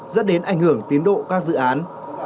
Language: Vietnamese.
dẫn đến ảnh hưởng tiến độ các dự án